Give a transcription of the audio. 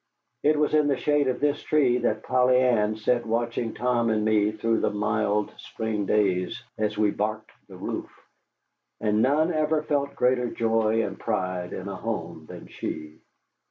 It was in the shade of this tree that Polly Ann sat watching Tom and me through the mild spring days as we barked the roof, and none ever felt greater joy and pride in a home than she.